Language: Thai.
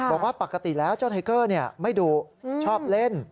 บอกว่าปกติแล้วเจ้าไทเกอร์ไม่ดุชอบเล่น